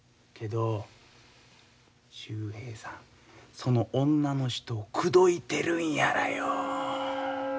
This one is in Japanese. けど秀平さんその女の人を口説いてるんやらよ。